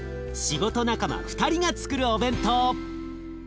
仕事仲間２人がつくるお弁当。